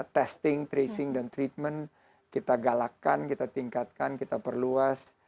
testing tracing dan treatment kita galakkan kita tingkatkan kita perluas